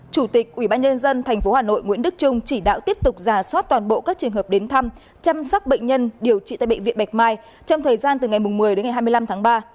chủ tịch ubnd tp hà nội nguyễn đức trung chỉ đạo tiếp tục giả soát toàn bộ các trường hợp đến thăm chăm sóc bệnh nhân điều trị tại bệnh viện bạch mai trong thời gian từ ngày một mươi đến ngày hai mươi năm tháng ba